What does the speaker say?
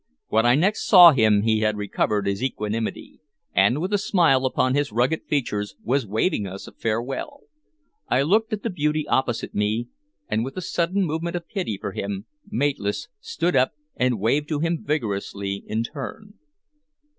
When I next saw him he had recovered his equanimity, and, with a smile upon his rugged features, was waving us a farewell. I looked at the beauty opposite me, and, with a sudden movement of pity for him, mateless, stood up and waved to him vigorously in turn.